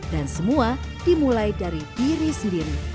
dan semua dimulai dari diri sendiri